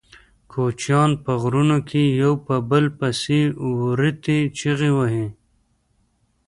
کوچیان په غرونو کې یو په بل پسې وریتې چیغې وهي.